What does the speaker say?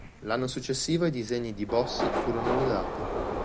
L'anno successivo i disegni di Bossi furono lodati.